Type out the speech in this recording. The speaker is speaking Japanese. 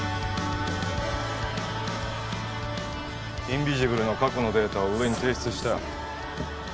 インビジブルの過去のデータを上に提出したよ